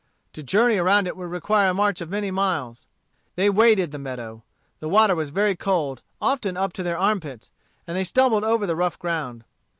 To journey around it would require a march of many miles. They waded the meadow. The water was very cold, often up to their armpits, and they stumbled over the rough ground.